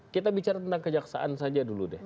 kita bicara tentang kejaksaan saja dulu deh